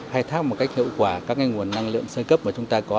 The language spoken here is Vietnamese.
hài thác một cách nội quả các nguồn năng lượng sơ cấp mà chúng ta có